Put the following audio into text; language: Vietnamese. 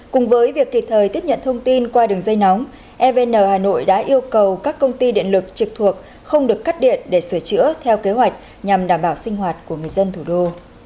cùng với việc kịp thời tiếp nhận thông tin qua đường dây nóng evn hà nội đã yêu cầu các công ty điện lực trực thuộc không được cắt điện để sửa chữa theo kế hoạch nhằm đảm bảo sinh hoạt của người dân thủ đô